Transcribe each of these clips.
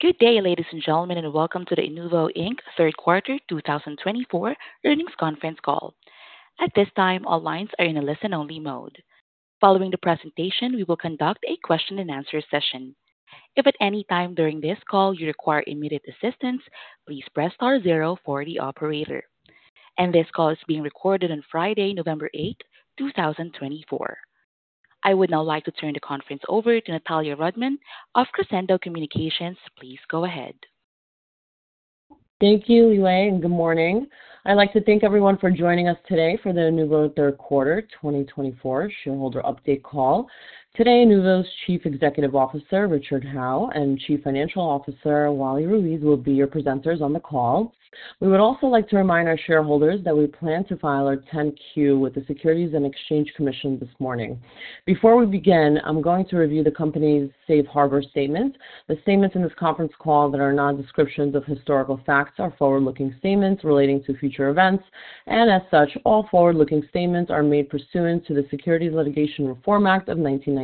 Good day, ladies and gentlemen, and welcome to the Inuvo, Inc. Third Quarter 2024 earnings conference call. At this time, all lines are in a listen-only mode. Following the presentation, we will conduct a question-and-answer session. If at any time during this call you require immediate assistance, please press star zero for the operator, and this call is being recorded on Friday, November 8, 2024. I would now like to turn the conference over to Natalya Rudman of Crescendo Communications. Please go ahead. Thank you, Liyue, and good morning. I'd like to thank everyone for joining us today for the Inuvo Third Quarter 2024 shareholder update call today. Inuvo's Chief Executive Officer Richard Howe and Chief Financial Officer Wally Ruiz will be your presenters on the call. We would also like to remind our shareholders that we plan to file our 10-Q with the Securities and Exchange Commission this morning. Before we begin, I'm going to review the Company's Safe Harbor Statement. The statements in this conference call that are not descriptions of historical facts are forward-looking statements relating to future events and as such, all forward-looking statements are made pursuant to the Securities Litigation Reform Act of 1995.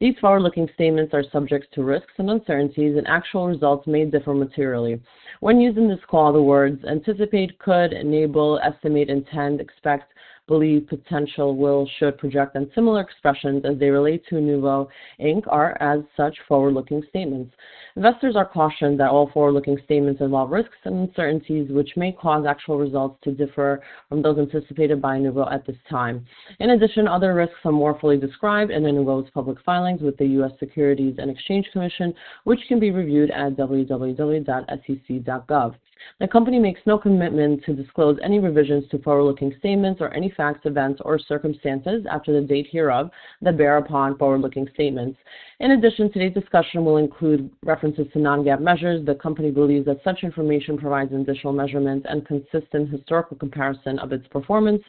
These forward-looking statements are subject to risks and uncertainties and actual results may differ materially. When used in this call, the words anticipate, could, enable, estimate, intend, expect, believe, potential, will, should, project and similar expressions as they relate to Inuvo, Inc. are as such forward-looking statements. Investors are cautioned that all forward-looking statements involve risks and uncertainties which may cause actual results to differ from those anticipated by Inuvo at this time. In addition, other risks are more fully described in Inuvo's public filings with the U.S. Securities and Exchange Commission which can be reviewed at www.sec.gov. The company makes no commitment to disclose any revisions to forward-looking statements or any facts, events or circumstances after the date hereof that bear upon forward-looking statements. In addition, today's discussion will include references to non-GAAP measures. The Company believe that such information provides additional measurements and consistent historical comparison of its performance.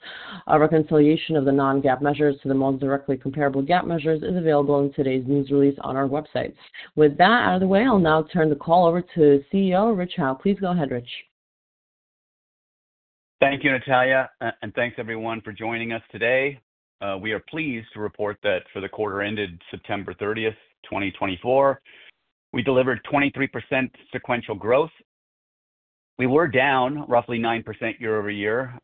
A reconciliation of the non-GAAP measures to the most directly comparable GAAP measures is available in today's news release on our website. With that out of the way, I'll now turn the call over to CEO Rich Howe. Please go ahead, Rich. Thank you Natalya and thanks everyone for joining us today. We are pleased to report that for the quarter ended September 30, 2024, we delivered 23% sequential growth. We were down roughly nine% year-over-year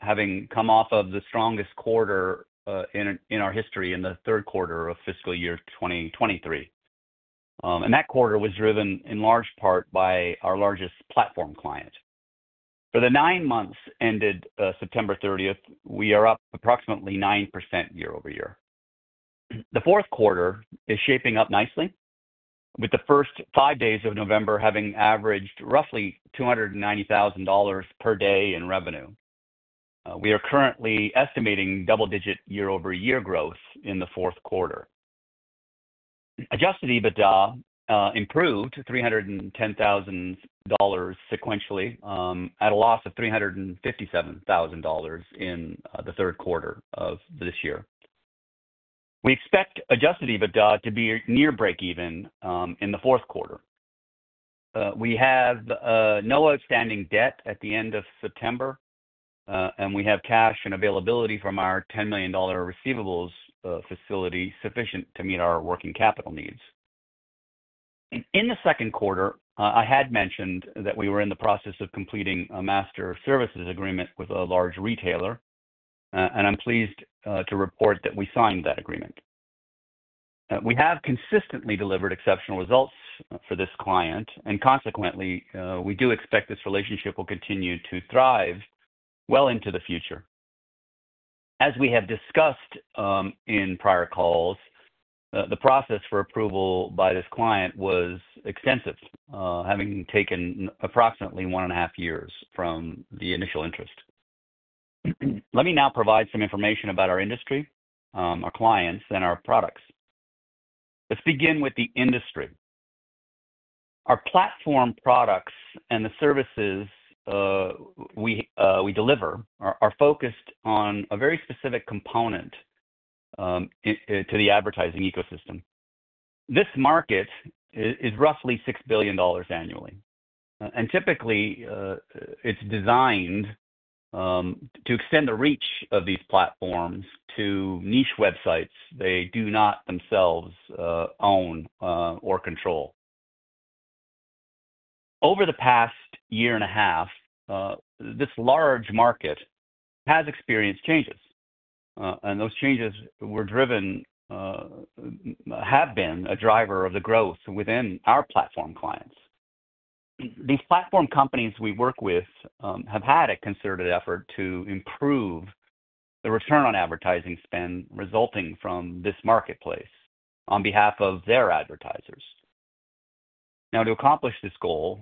having come off of the strongest quarter in our history in the third quarter of fiscal year 2023, and that quarter was driven in large part by our largest platform client. For the nine months ended September 30th, we are up approximately nine% year-over-year. The fourth quarter is shaping up nicely with the first five days of November having averaged roughly $290,000 per day in revenue. We are currently estimating double digit year-over-year growth in the fourth quarter. Adjusted EBITDA improved $310,000 sequentially at a loss of $357,000 in the third quarter of this year. We expect Adjusted EBITDA to be near break even in the fourth quarter. We have no outstanding debt at the end of September, and we have cash and availability from our $10 million receivables facility sufficient to meet our working capital needs in the second quarter. I had mentioned that we were in the process of completing a master services agreement with a large retailer, and I'm pleased to report that we signed that agreement. We have consistently delivered exceptional results for this client and consequently we do expect this relationship will continue to thrive well into the future. As we have discussed in prior calls, the process for approval by this client was extensive, having taken approximately one and a half years from the initial interest. Let me now provide some information about our industry, our clients and our products. Let's begin with the industry. Our platform products and the services we deliver are focused on a very specific component to the advertising ecosystem. This market is roughly $6 billion annually and typically it's designed to extend the reach of these platforms to niche websites they do not themselves own or control. Over the past year and a half this large market has experienced changes and those changes have been a driver of the growth within our platform clients. These platform companies we work with have had a concerted effort to improve the return on advertising spend resulting from this marketplace on behalf of their advertisers. Now, to accomplish this goal,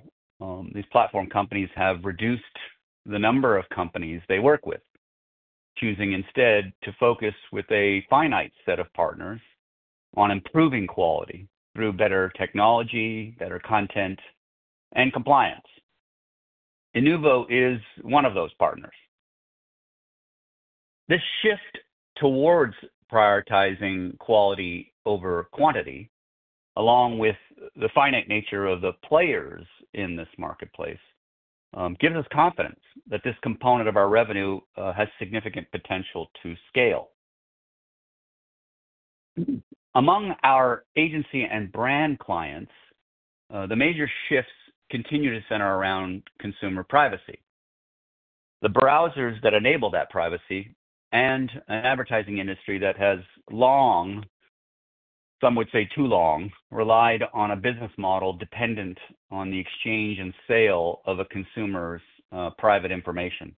these platform companies have reduced the number of companies they work with, choosing instead to focus with a finite set of partners on improving quality through better technology, better content and compliance. Inuvo is one of those partners. This shift towards prioritizing quality over quantity, along with the finite nature of the players in this marketplace, gives us confidence that this component of our revenue has significant potential to scale among our agency and brand clients. The major shifts continue to center around consumer privacy, the browsers that enable that privacy, and an advertising industry that has long, some would say too long, relied on a business model dependent on the exchange and sale of a consumer's private information.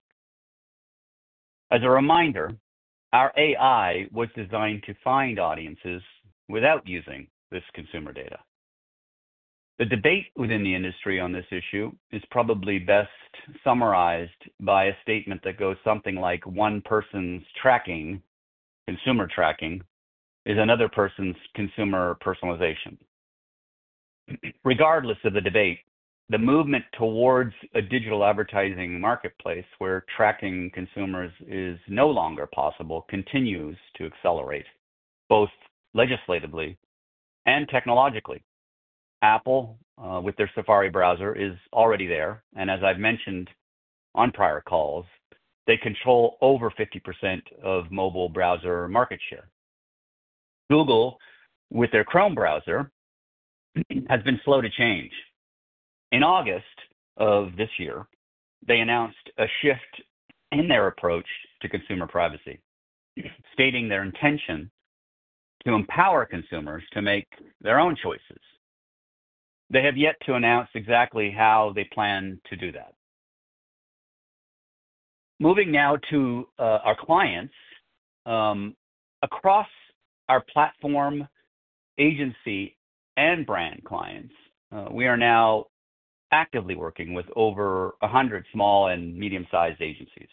As a reminder, our AI was designed to find audiences without using this consumer data. The debate within the industry on this issue is probably best summarized by a statement that goes something like one person's tracking, consumer tracking, is another person's consumer personalization. Regardless of the debate, the movement towards a digital advertising marketplace where tracking consumers is no longer possible continues to accelerate both legislatively and technologically. Apple with their Safari browser is already there and as I've mentioned on prior calls, they control over 50% of mobile browser market share. Google with their Chrome browser has been slow to change. In August of this year they announced a shift in their approach to consumer privacy, stating their intention to empower consumers to make their own choices. They have yet to announce exactly how they plan to do that. Moving now to our clients across our platform, agency and brand clients we are now actively working with over 100 small and medium-sized agencies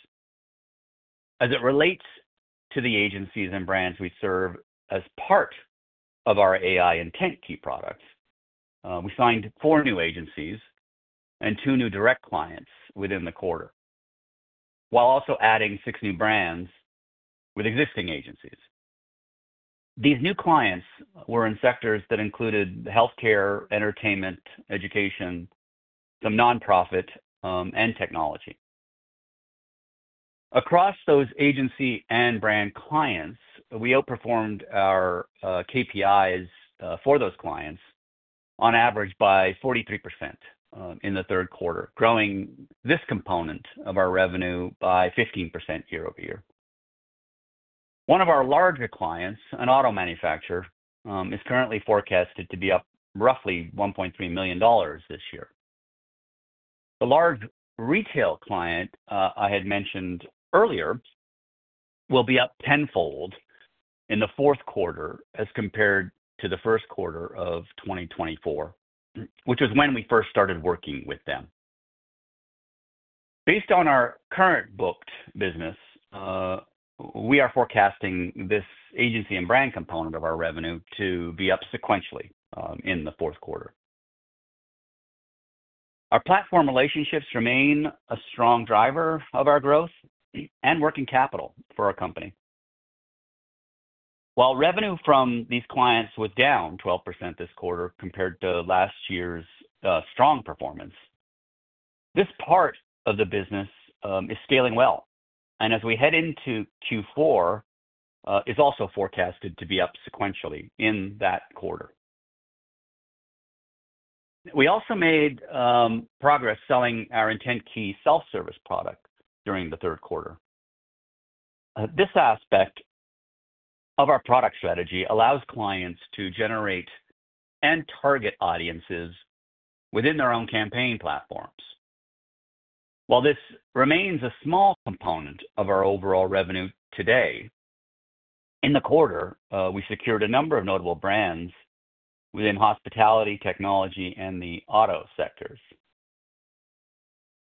as it relates to the agencies and brands we serve as part of our AI IntentKey products. We signed four new agencies and two new direct clients within the quarter while also adding six new brands with existing agencies. These new clients were in sectors that included healthcare, entertainment, education, some nonprofit and technology. Across those agency and brand clients, we outperformed our KPIs for those clients on average by 43% in the third quarter, growing this component of our revenue by 15% year-over-year. One of our larger clients, an auto manufacturer, is currently forecasted to be up roughly $1.3 million this year. The large retail client I had mentioned earlier will be up tenfold in the fourth quarter as compared to the first quarter of 2024, which was when we first started working with them. Based on our current booked business, we are forecasting this agency and brand component of our revenue to be up sequentially in the fourth quarter. Our platform relationships remain a strong driver of our growth and working capital for our company. While revenue from these clients was down 12% this quarter compared to last year's strong performance. This part of the business is scaling well and as we head into Q4 is also forecasted to be up sequentially in that quarter. We also made progress selling our IntentKey self service product during the third quarter. This aspect of our product strategy allows clients to generate and target audiences within their own campaign platforms. While this remains a small component of our overall revenue today in the quarter we secured a number of notable brands within hospitality, technology and the auto sectors.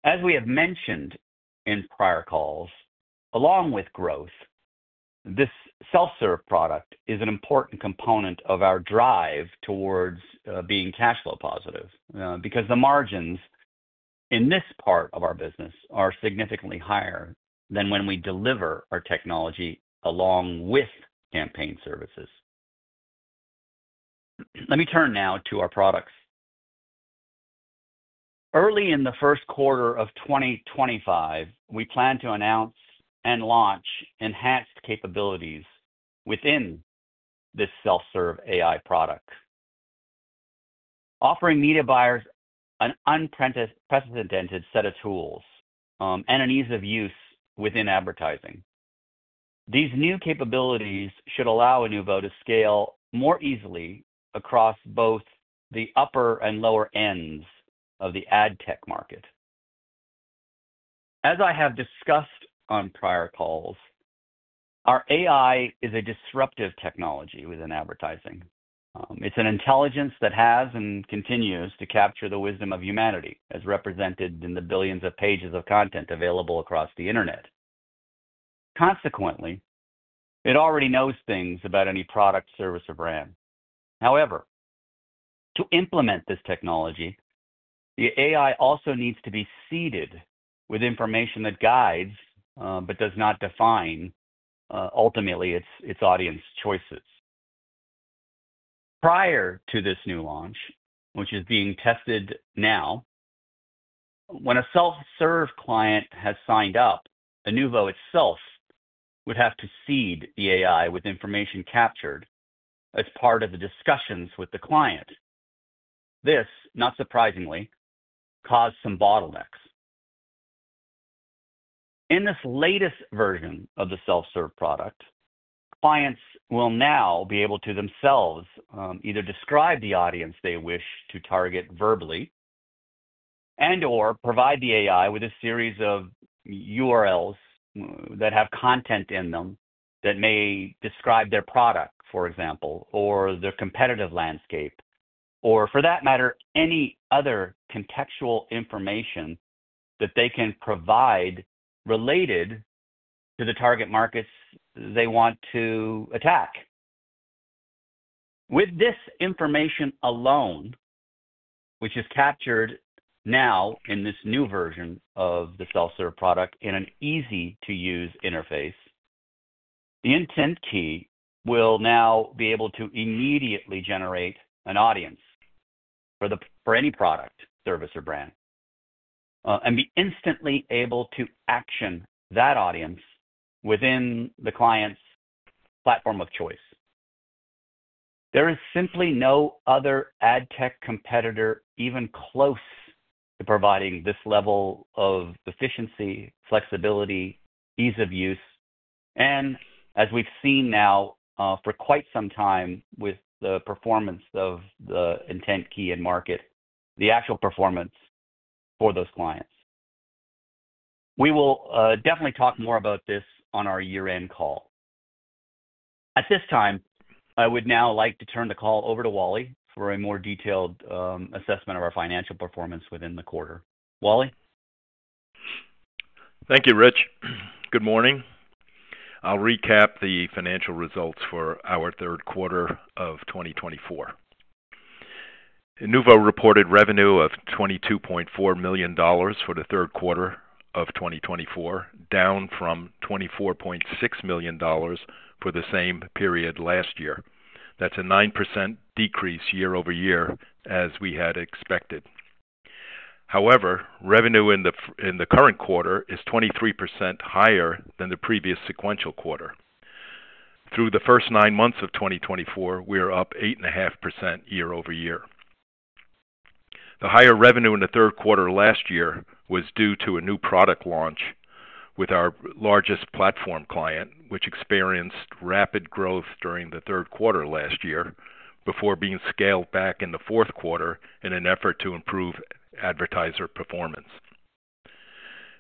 As we have mentioned in prior calls, along with growth, this self serve product is an important component of our drive towards being cash flow positive because the margins in this part of our business are significantly higher than when we deliver our technology along with campaign services. Let me turn now to our products. Early in the first quarter of 2025 we plan to announce and launch enhanced capabilities within this self-serve AI product, offering media buyers an unprecedented set of tools and an ease of use within advertising. These new capabilities should allow Inuvo to scale more easily across both the upper and lower ends of the ad tech market. As I have discussed on prior calls, our AI is a disruptive technology within advertising. It's an intelligence that has and continues to capture the wisdom of humanity as represented in the billions of pages of content available across the Internet. Consequently, it already knows things about any product, service or brand. However, to implement this technology, the AI also needs to be seeded with information that guides but does not define ultimately its audience choices. Prior to this new launch, which is being tested now, when a self-serve client has signed up, Inuvo itself would have to seed the AI with information captured as part of the discussions with the client. This not surprisingly caused some bottlenecks. In this latest version of the self-serve product, clients will now be able to themselves either describe the audience they wish to target verbally and or provide the AI with a series of URLs that have content in them that may describe their product, for example, or their competitive landscape, or for that matter, any other contextual information that they can provide related to the target markets they want to attack. With this information alone, which is captured now in this new version of the self-serve product in an easy-to-use interface, the IntentKey will now be able to immediately generate an audience for any product, service or brand and be instantly able to action that audience within the client's platform of choice. There is simply no other ad tech competitor even close to providing this level of efficiency, flexibility, ease of use, and, as we've seen now for quite some time, with the performance of the IntentKey in the market, the actual performance for those clients. We will definitely talk more about this on our year-end call at this time. I would now like to turn the call over to Wally for a more detailed assessment of our financial performance within the quarter. Wally. Thank you Rich. Good morning. I'll recap the financial results for our third quarter of 2024. Inuvo reported revenue of $22.4 million for the third quarter of 2024, down from $24.6 million for the same period last year. That's a 9% decrease year-over-year as we had expected. However, revenue in the current quarter is 23% higher than the previous sequential quarter. Through the first nine months of 2024, we are up 8.5% year-over-year. The higher revenue in the third quarter last year was due to a new product launch with our largest platform client, which experienced rapid growth during the third quarter last year before being scaled back in the fourth quarter in an effort to improve advertiser performance.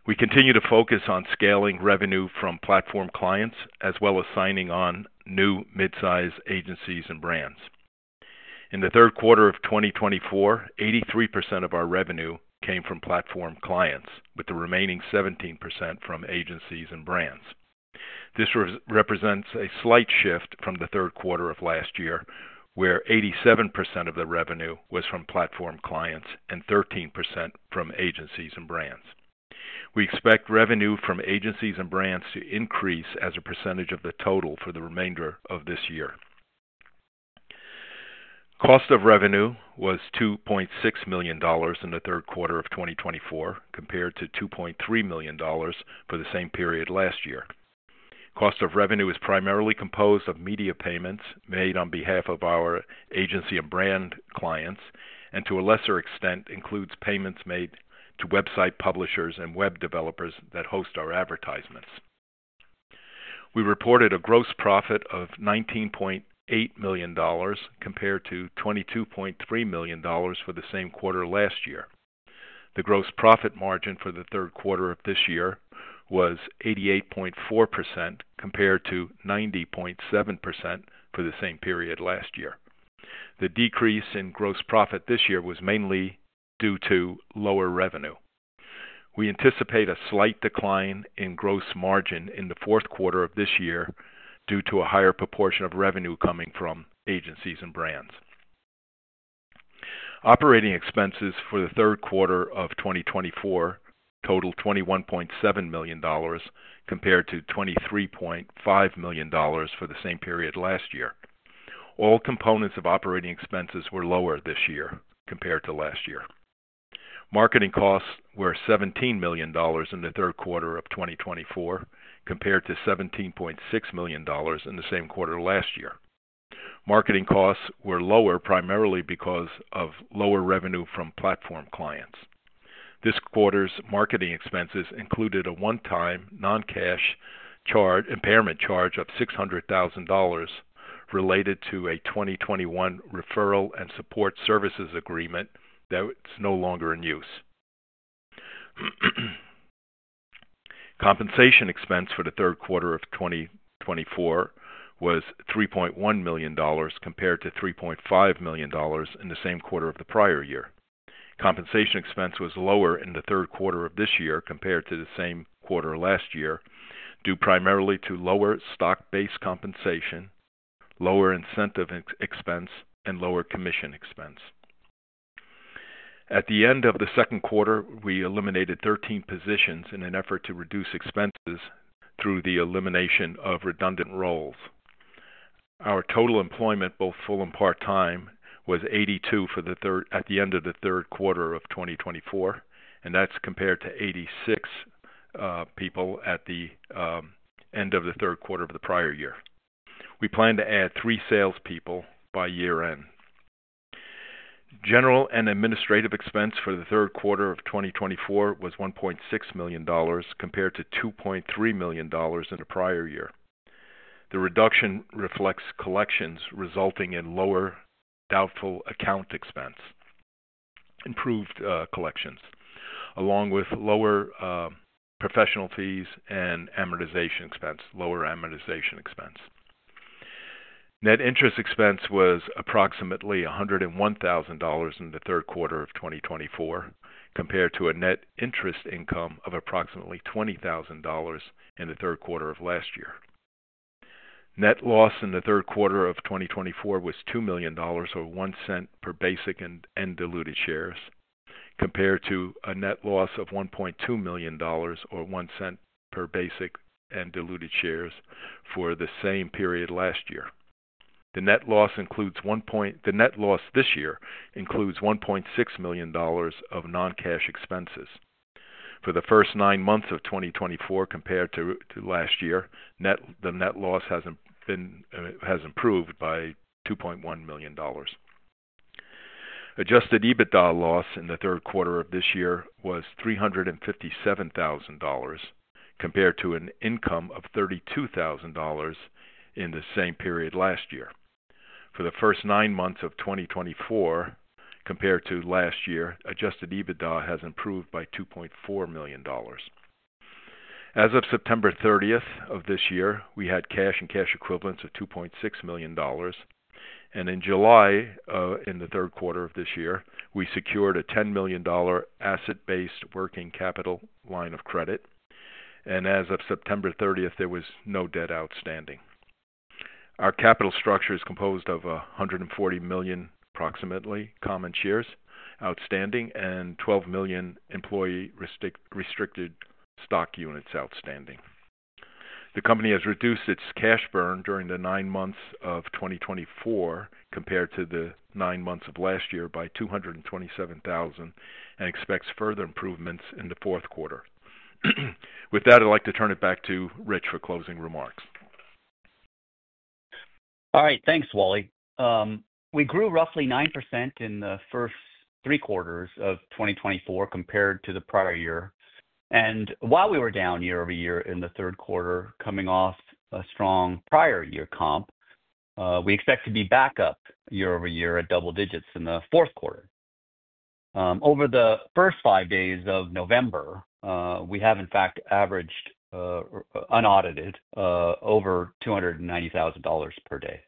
We continue to focus on scaling revenue from platform clients as well as signing on new midsize agencies and brands. In the third quarter of 2024, 83% of our revenue came from platform clients with the remaining 17% from agencies and brands. This represents a slight shift from the third quarter of last year where 87% of the revenue was from platform clients and 13% from agencies and brands. We expect revenue from agencies and brands to increase as a percentage of the total for the remainder of this year. Cost of revenue was $2.6 million in the third quarter of 2024 compared to $2.3 million for the same period last year. Cost of revenue is primarily composed of media payments made on behalf of our agency and brand clients and to a lesser extent includes payments made to website publishers and web developers that host our advertisements. We reported a gross profit of $19.8 million compared to $22.3 million for the same quarter last year. The gross profit margin for the third quarter of this year was 88.4% compared to 90.7% for the same period last year. The decrease in gross profit this year was mainly due to lower revenue. We anticipate a slight decline in gross margin in the fourth quarter of this year due to a higher proportion of revenue coming from agencies and brands. Operating expenses for the third quarter of 2024 totaled $21.7 million compared to $23.5 million for the same period last year. All components of operating expenses were lower this year compared to last year. Marketing costs were $17 million in the third quarter of 2024 compared to $17.6 million in the same quarter last year. Marketing costs were lower primarily because of lower revenue from platform clients. This quarter's marketing expenses included a one-time non-cash impairment charge of $600,000 related to a 2021 referral and support services agreement that's no longer in use. Compensation expense for the third quarter of 2024 was $3.1 million compared to $3.5 million in the same quarter of the prior year. Compensation expense was lower in the third quarter of this year compared to the same quarter last year due primarily to lower stock-based compensation, lower incentive expense and lower commission expense. At the end of the second quarter we eliminated 13 positions in an effort to reduce expenses through the elimination of redundant roles. Our total employment, both full- and part-time was 82 at the end of the third quarter of 2024 and that's compared to 86 people at the end of the third quarter of the prior year. We plan to add three salespeople by year end. General and administrative expense for the third quarter of 2024 was $1.6 million compared to $2.3 million in a prior year. The reduction reflects collections resulting in lower doubtful account expense, improved collections along with lower professional fees and amortization expense. Lower amortization expense. Net interest expense was approximately $101,000 in the third quarter of 2024 compared to a net interest income of approximately $20,000 in the third quarter of last year. Net loss in the third quarter of 2024 was $2,000,000 or $0.01 per basic and diluted shares compared to a net loss of $1.2 million or $0.01 per basic and diluted shares for the same period last year. The net loss includes one point. The net loss this year includes $1.6 million of non-cash expenses for the first nine months of 2024. Compared to last year, the net loss has improved by $2.1 million. Adjusted EBITDA loss in the third quarter of this year was $357,000 compared to an income of $32,000 in the same period last year. For the first nine months of 2024, compared to last year, Adjusted EBITDA has improved by $2.4 million. As of September 30th of this year, we had cash and cash equivalents of $2.6 million, and in July in the third quarter of this year we secured a $10 million asset based working capital line of credit, and as of September 30th there was no debt outstanding. Our capital structure is composed of 140 million approximately common shares outstanding and 12 million employee restricted stock units outstanding. The company has reduced its cash burn during the nine months of 2024 compared to the nine months of last year by $227,000 and expects further improvements in the fourth quarter. With that, I'd like to turn it back to Rich for closing remarks. All right, thanks Wally. We grew roughly 9% in the first three quarters of 2024 compared to the prior year, and while we were down year-over-year in the third quarter, coming off a strong prior year comp. We expect to be back up year-over-year at double digits in the fourth quarter. Over the first five days of November, we have in fact averaged, unaudited, over $290,000 per day.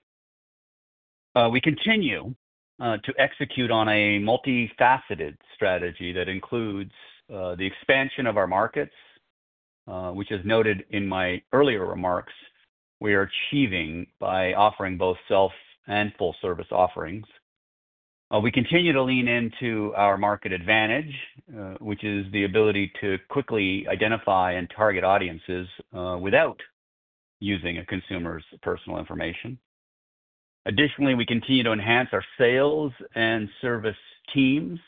We continue to execute on a multifaceted strategy that includes the expansion of our market, which is noted in my earlier remarks. We are achieving by offering both self and full service offerings. We continue to lean into our market advantage, which is the ability to quickly identify and target audiences without using a consumer's personal information. Additionally, we continue to enhance our sales and service teams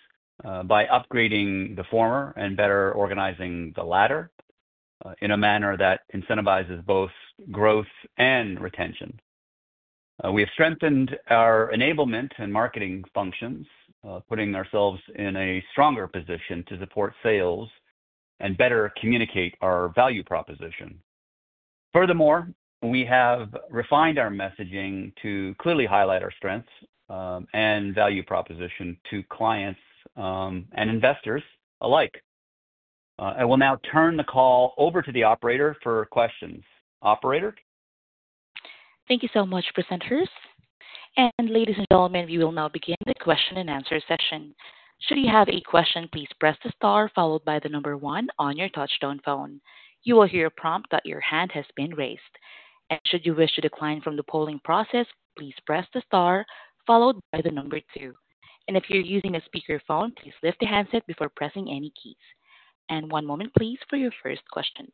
by upgrading the former and better organizing the latter in a manner that incentivizes both growth and retention. We have strengthened our enablement and marketing functions, putting ourselves in a stronger position to support sales and better communicate our value proposition. Furthermore, we have refined our messaging to clearly highlight our strengths and value proposition to clients and investors alike. I will now turn the call over to the operator for questions. Thank you so much, presenters and ladies and gentlemen. We will now begin the question and answer session. Should you have a question, please press the star followed by the number one. On your touch-tone phone, you will hear a prompt that your hand has been raised. Should you wish to decline from the polling process, please press the star followed by the number two. If you're using a speakerphone, please lift the handset before pressing any keys. One moment, please, for your first question.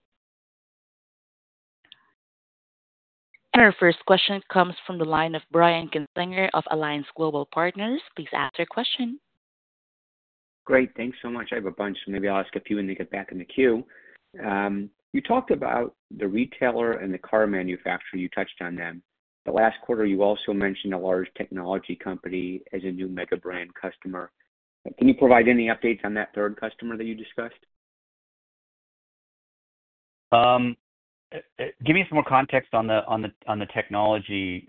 Our first question comes from the line of Brian Kinstlinger of Alliance Global Partners. Please ask your question. Great. Thanks so much. I have a bunch. Maybe I'll ask a few when they get back in the queue. You talked about the retailer and the car manufacturer. You touched on them the last quarter. You also mentioned a large technology company as a new mega brand customer. Can you provide any updates on that third customer that you discussed? Give me some more context on the technology.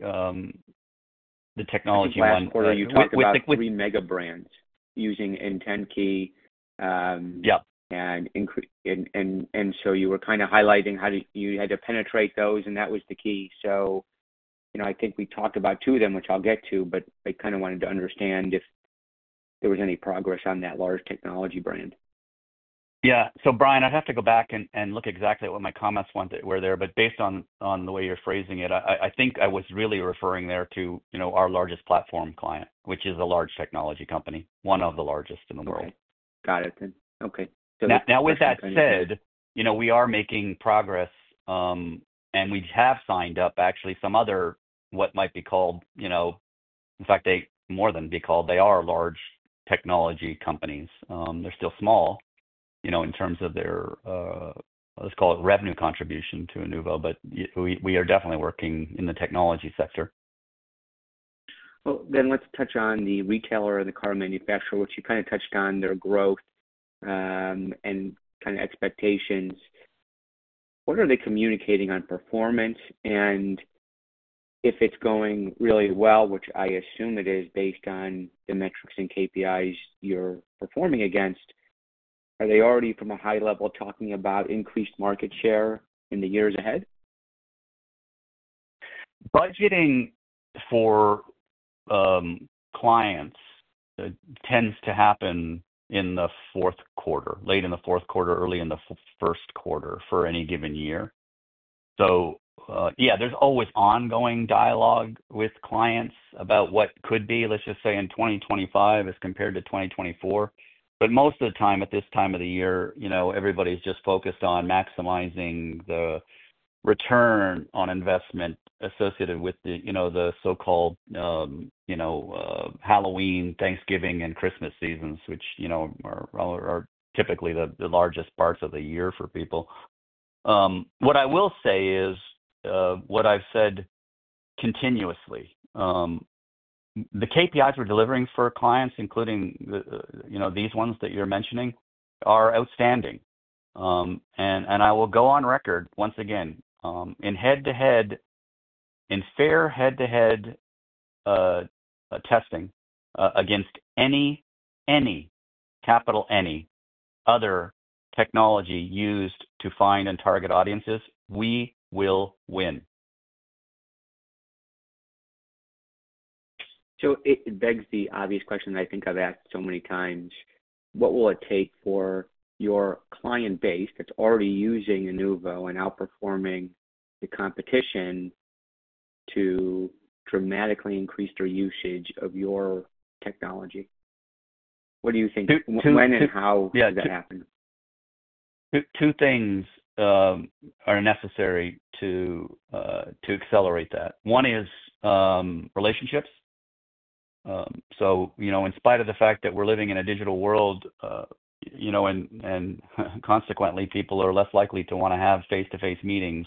The technology one with the three mega. Brands using IntentKey. Yeah. And so you were kind of highlighting how you had to penetrate those and that was the key. So, you know, I think we talked about two of them, which I'll get to, but I kind of wanted to understand if there was any progress on that large technology brand? Yeah. So, Brian, I'd have to go back and look exactly at what my comments were there. But based on the way you're phrasing it, I think I was really referring there to our largest platform client, which is a large technology company. One of the largest in the world. Got it. Okay. Now with that said, you know, we are making progress, and we have signed up actually some other, what might be called, you know, in fact they more than might be called, they are large technology companies. They're still small, you know, in terms of their, let's call it, revenue contribution to Inuvo. But we are definitely working in the technology sector. Well then let's touch on the retailer and the car manufacturer, which you kind of touched on their growth and kind of expectations. What are they communicating on performance and if it's going really well, which I assume it is based on the metrics and KPIs you're performing against, are they already from a high level talking about increased market share in the years ahead? Budgeting for clients tends to happen in the fourth quarter, late in the fourth quarter, early in the first quarter for any given year, so yeah, there's always ongoing dialogue with clients about what could be, let's just say, in 2025 as compared to 2024, but most of the time at this time of the year, you know, everybody's just focused on maximizing the return on investment associated with the, you know, the so-called, you know, Halloween, Thanksgiving, and Christmas seasons, which, you know, are typically the largest parts of the year for people. What I will say is what I've said continuously: the KPIs we're delivering for clients, including, you know, these ones that you're mentioning, are outstanding. And I will go on record once again in head to head, in fair head to head testing against any capital, any other technology used to find and target audiences, we will win. So it begs the obvious question, I think I've asked so many times, what will it take for your client base that's already using Inuvo and outperformance, the competition to dramatically increase their usage of your technology? What do you think when and how does that happen? Two things are necessary to accelerate that. One is relationships. So, you know, in spite of the fact that we're living in a digital world, you know, and consequently people are less likely to want to have face to face meetings.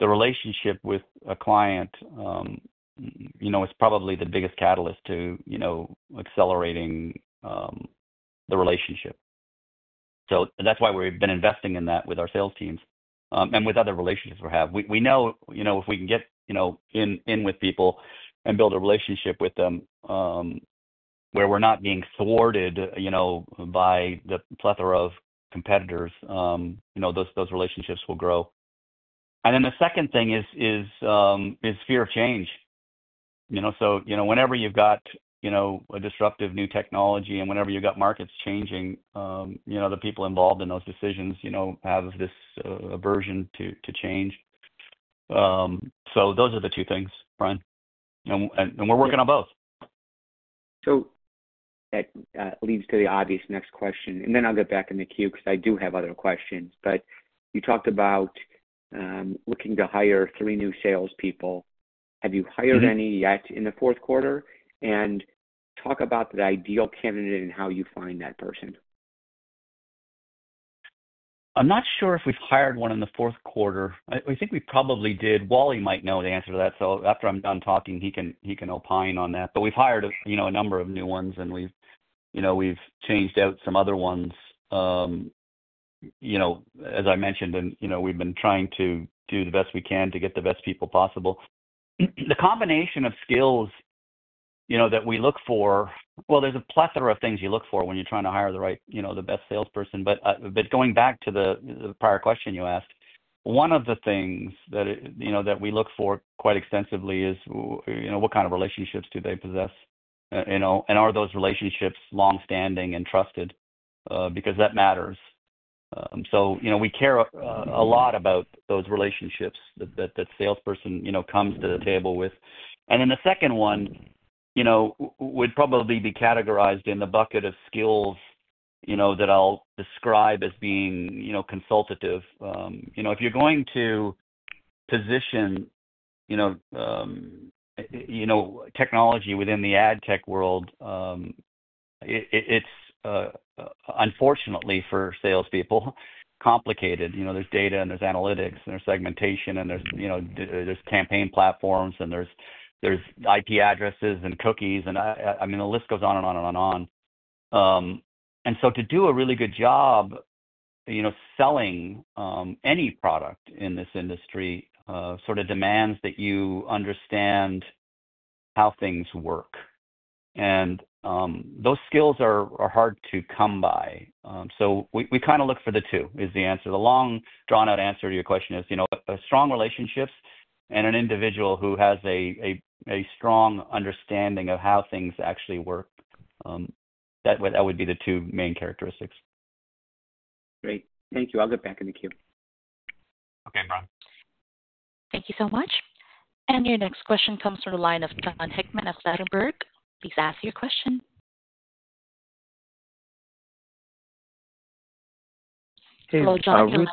The relationship with a client, you know, is probably the biggest catalyst to, you know, accelerating the relationship. So that's why we've been investing in that with our sales teams and with other relationships we have. We know, you know, if we can get, you know, in with people and build a relationship with them where we're not being thwarted, you know, by the plethora of competitors, you know, those relationships will grow. And then the second thing is fear of change, you know, so, you know, whenever you've got, you know, a disruptive new technology. Whenever you got markets changing, you know, the people involved in those decisions, you know, have this aversion to change. So those are the two things, Brian, and we're working on both. So that leads to the obvious next question and then I'll get back in the queue because I do have other questions. But you talked about looking to hire three new salespeople. Have you hired any yet in the fourth quarter? And talk about the ideal candidate and how you find that person. I'm not sure if we've hired one in the fourth quarter. I think we probably did. Wally might know the answer to that, so after I'm done talking, he can opine on that, but we've hired a number of new ones and we've, you know, we've changed out some other ones, you know, as I mentioned, and, you know, we've been trying to do the best we can to get the best people possible. The combination of skills, you know, that we look for, well, there's a plethora of things you look for when you're trying to hire the right, you know, the best salesperson, but going back to the prior question you asked, one of the things that, you know, that we look for quite extensively is, you know, what kind of relationships do they possess, you know, and are those relationships long-standing and trusted? Because that matters. So, you know, we care a lot about those relationships that the salesperson, you know, comes to the table with, and then the second one, you know, would probably be categorized in the bucket of skills, you know, that I'll describe as being, you know, consultative. You know, if you're going to position, you know, you know, technology within the ad tech world, it's, unfortunately for salespeople, complicated. You know, there's data and there's analytics and there's segmentation and there's, you know, there's campaign platforms and there's, there's IP addresses and cookies. And I mean, the list goes on and on and on. And so to do a really good job, you know, selling any product in this industry sort of demands that you understand how things work. And those skills are hard to come by, so we kind of look for the two. The long, drawn out answer to your question is, you know, strong relationships and an individual who has a strong understanding of how things actually work. That would be the two main characteristics. Great, thank you. I'll get back in the queue. Okay, Brian. Thank you so much. Your next question comes from the line of Jon Hickman of Ladenburg Thalmann. Please ask your question. Hello, Jon.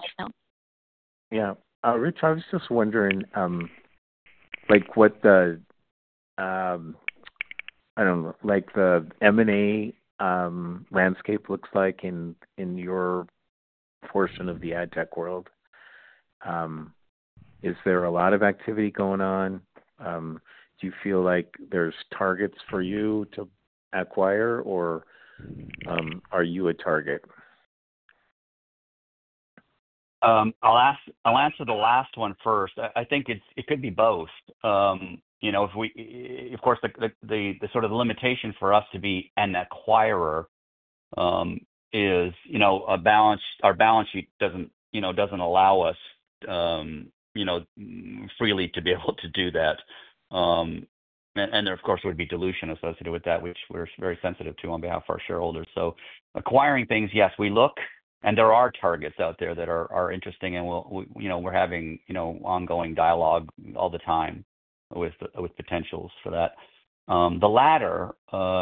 Yeah, Rich. I was just wondering, like, what the, I don't know, like the M&A landscape looks like in your portion of the ad tech world. Is there a lot of activity going on? Do you feel like there's targets for you to acquire, or are you a target? I'll answer the last one first. I think it could be both. Of course, the sort of limitation for us to be an acquirer is, you know, a balance. Our balance sheet doesn't, you know, doesn't allow us, you know, freely to be able to do that. And there, of course, would be dilution associated with that, which we're very sensitive to on behalf of our shareholders. So acquiring things. Yes, we look and there are targets out there that are interesting and we'll, you know, we're having, you know, ongoing dialogue all the time with potentials for that. The latter,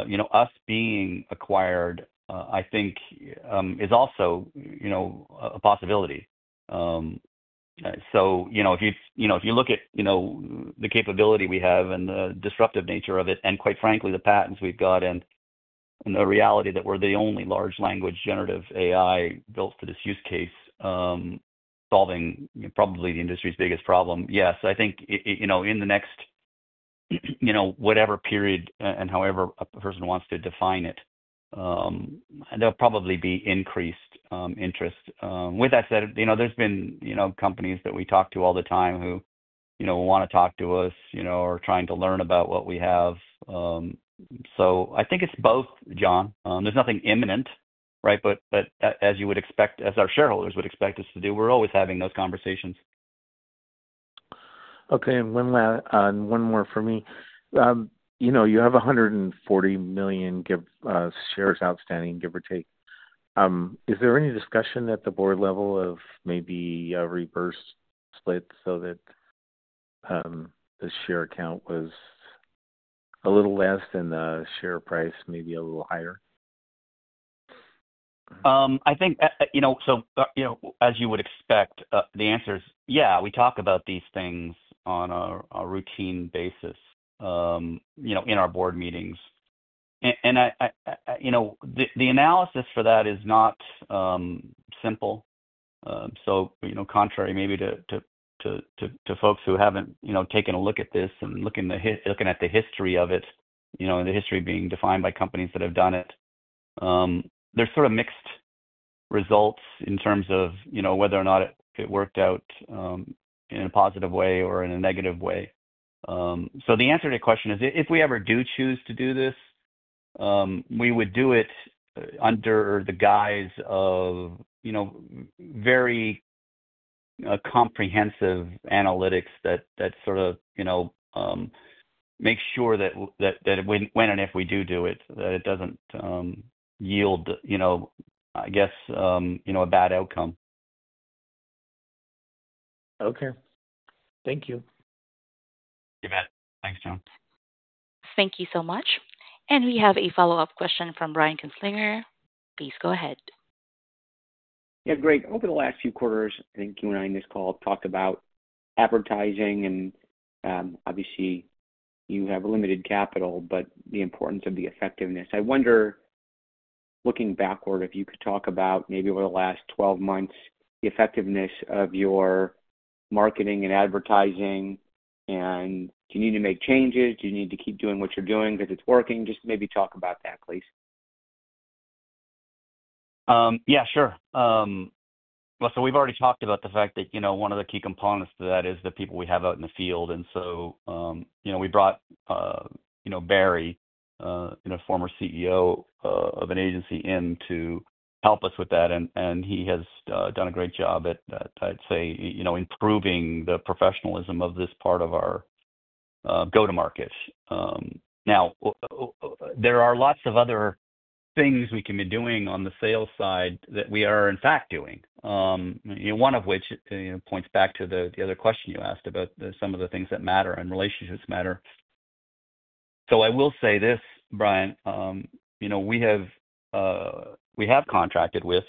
you know, us being acquired, I think, is also, you know, a possibility. So, you know, if you, you know, if you look at, you know, the capability we have and the disruptive nature of it, and quite frankly, the patents we've got and the reality that we're the only large language generative AI built for this use case solving probably the industry's biggest problem. Yes. I think, you know, in the next, you know, whatever period, and however a person wants to define it, they'll probably be increased interest. With that said, you know, there's been, you know, companies that we talk to all the time who, you know, want to talk to us, you know, are trying to learn about what we have. So I think it's both. Jon, there's nothing imminent. Right. But as you would expect, as our shareholders would expect us to do, we're always having those conversations. Okay, and one more for me. You know, you have 140 million shares outstanding, give or take. Is there any discussion at the board level of maybe reverse split so that? The share count was a little less. Than the share price, maybe a little higher? I think, you know, so, you know, as you would expect, the answer is, yeah, we talk about these things on a routine basis, you know, in our board meetings, and I, you know, the analysis for that is not simple, so, you know, contrary maybe to folks who haven't, you know, taken a look at this and looking at the history of it, you know, the history being defined by companies that have done it, there's sort of mixed results in terms of, you know, whether or not it worked out in a positive way or in a negative way, so the answer to the question is. If we ever do choose to do. This, we would do it under the guise of, you know, very comprehensive analytics that sort of, you know, make sure that when and if we do do it, that it doesn't yield, you know, I guess, you know, a bad outcome. Okay, thank you, You bet. Thanks, Jon. Thank you so much, and we have a follow-up question from Brian Kinstlinger. Please go ahead. Yeah, great. Over the last few quarters, I think you and I on this call talked about advertising and obviously you have limited capital, but the importance of the effectiveness. I wonder, looking backward, if you could talk about maybe over the last 12 months the effectiveness of your marketing and advertising and do you need to make changes? Do you need to keep doing what you're doing because it's working? Just maybe talk about that, please. Yeah, sure. Well, so, we've already talked about the fact that, you know, one of the key components to that is the people we have out in the field, and so, you know, we brought, you know, Barry in, a former CEO of an agency into help us with that, and he has done a great job at, I'd say, you know, improving the professionalism of this part of our go-to-market. Now, there are lots of other things we can be doing on the sales side that we are in fact doing, one of which points back to the other question you asked about some of the things that matter and relationships matter, so I will say this, Brian. You know, we have, we have contracted with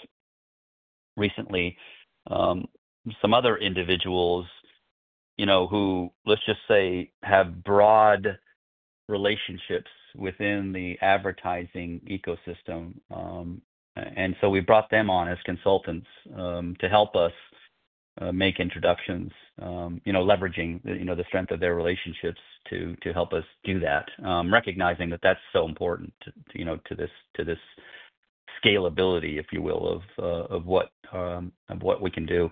recently some other individuals, you know, who, let's just say, have broad relationships within the advertising ecosystem. And so we brought them on as consultants to help us make introductions, you know, leveraging, you know, the strength of their relationships to help us do that, recognizing that's so important to this scalability, if you will, of what we can do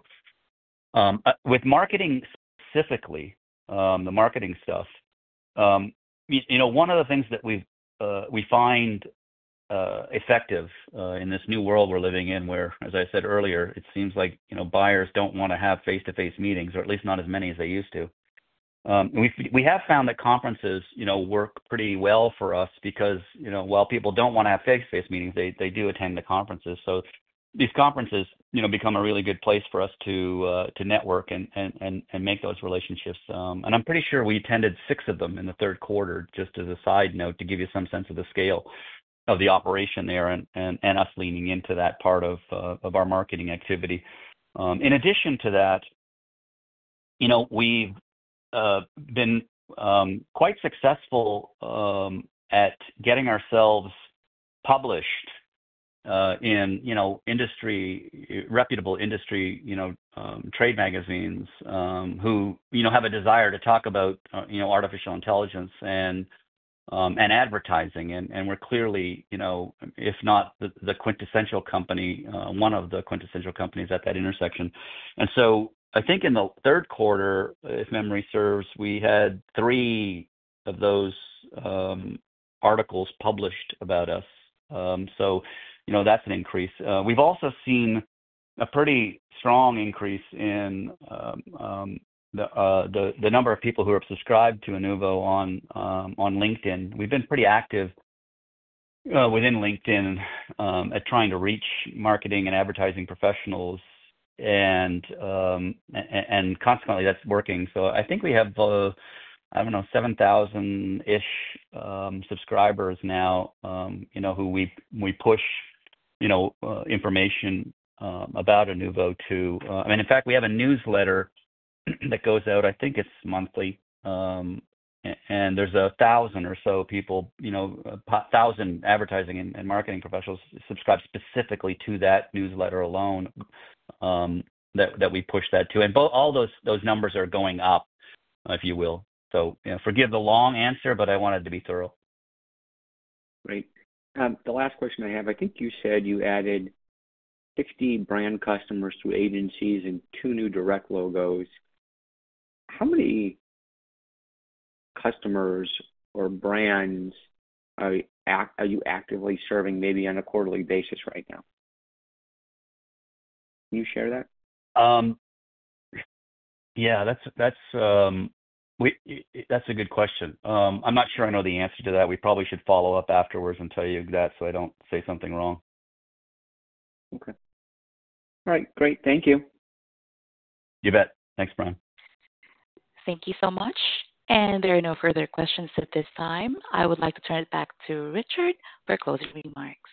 with marketing, specifically the marketing stuff. One of the things that we find effective in this new world we're living in, where, as I said earlier, it seems like buyers don't want to have face to face meetings, or at least not as many as they used to. We have found that conferences, you know, work pretty well for us because, you know, while people don't want to have face meetings, they do attend the conferences. So these conferences, you know, become a really good place for us to network and make those relationships. And I'm pretty sure we attended six of them in the third quarter. Just as a side note, to give you some sense of the scale of the operation there and us leaning into that part of our marketing activity. In addition to that, you know, we've been quite successful at getting ourselves published in, you know, industry, reputable industry, you know, trade magazines who, you know, have a desire to talk about, you know, artificial intelligence and advertising. And we're clearly, you know, if not the quintessential company, one of the quintessential companies at that intersection. And so I think in the third quarter, if memory serves, we had three of those articles published about us. So, you know, that's an increase. We've also seen a pretty strong increase in the number of people who have subscribed to Inuvo on LinkedIn. We've been pretty active within LinkedIn at trying to reach marketing and advertising professionals. And consequently, that's working. So I think we have, I don't know, 7,000 ish subscribers now. You know, who we push, you know, information about Inuvo to. I mean, in fact, we have a newsletter that goes out, I think it's monthly, and there's 1,000 or so people, you know, advertising and marketing professionals subscribe specifically to that newsletter alone. That. We push that too. And all those numbers are going up, if you will. So forgive the long answer, but I wanted to be thorough. Great. The last question I have, I think you said you added 60 brand customers through agencies and two new direct logos. How many. Customers or brands are you actively serving? Maybe on a quarterly basis right now? Can you share that? Yeah, that's a good question. I'm not sure I know the answer to that. We probably should follow up afterwards and tell you that so I don't say something wrong. Okay. All right, great. Thank you. You bet. Thanks, Brian. Thank you so much. And there are no further questions at this time. I would like to turn it back to Richard for closing remarks.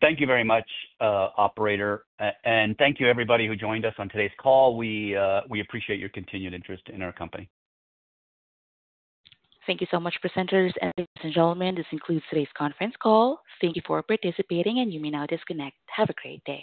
Thank you very much, operator, and thank you, everybody who joined us on today's call. We appreciate your continued interest in our company. Thank you so much. Presenters and ladies and gentlemen, this concludes today's conference call. Thank you for participating and you may now disconnect. Have a great day.